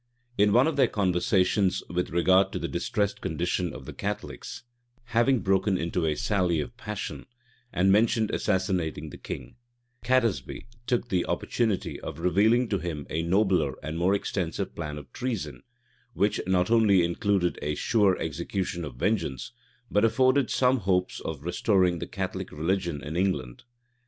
In one of their conversations with regard to the distressed condition of the Catholics, Piercy having broken into a sally of passion, and mentioned assassinating the king, Catesby took the opportunity of revealing to him a nobler and more extensive plan of treason, which not only included a sure execution of vengeance, but afforded some hopes of restoring the Catholic religion in England.